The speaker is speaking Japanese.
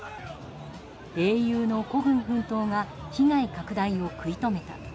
英雄の孤軍奮闘が被害拡大を食い止めた。